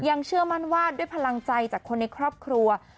เชื่อมั่นว่าด้วยพลังใจจากคนในครอบครัว